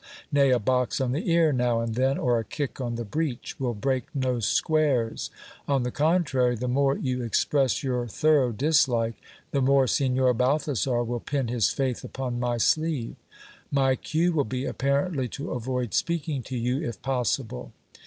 Nay, a box on the ear now and then, or a kick on the breech, will break no squares ; on the contrary, the more you express your thorough dislike, the more Signor Balthasar will pin his faith upon my sleeve. My cue will be, apparently to avoid speaking to you if pos sible.